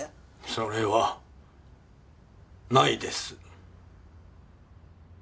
それはないです。